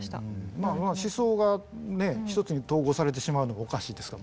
まあまあ思想がね一つに統合されてしまうのがおかしいですから。